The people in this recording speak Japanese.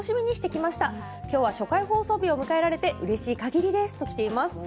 きょうは初回放送日を迎えられてうれしいかぎりですときています。